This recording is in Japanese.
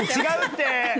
違うって！